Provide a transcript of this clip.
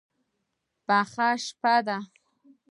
پخه شپه ده.